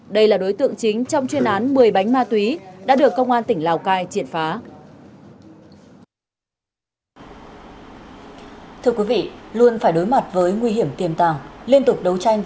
đây là đối tượng chính trong chuyên án một mươi bánh ma túy đã được công an tỉnh lào cai triệt phá